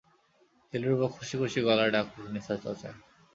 দিলরুবা খুশি-খুশি গলায় ডাকল, নিসার চাচা।